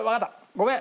ごめん！